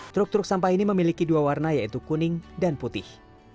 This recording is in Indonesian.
truk truk sampah ini memiliki dua warna yaitu kuning dan putih